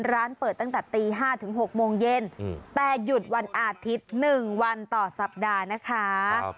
ร้านเปิดตั้งแต่ตี๕ถึง๖โมงเย็นแต่หยุดวันอาทิตย์๑วันต่อสัปดาห์นะคะ